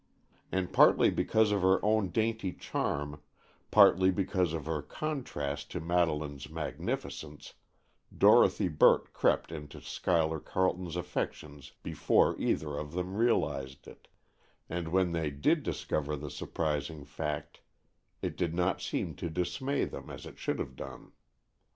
And partly because of her own dainty charm, partly because of her contrast to Madeleine's magnificence, Dorothy Burt crept into Schuyler Carleton's affections before either of them realized it, and when they did discover the surprising fact, it did not seem to dismay them as it should have done.